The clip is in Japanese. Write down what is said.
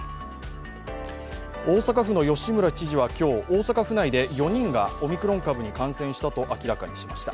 大阪府の吉村知事は今日大阪府内で４人がオミクロン株に感染したと明らかにしました。